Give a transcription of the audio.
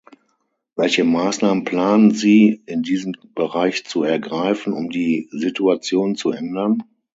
Welche Maßnahmen planen Sie in diesem Bereich zu ergreifen, um die Situation zu ändern?